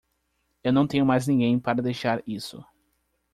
Eu não tenho mais ninguém para deixar isso.